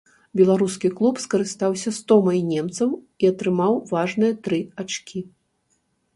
Беларускі клуб скарыстаўся стомай немцаў і атрымаў важныя тры ачкі.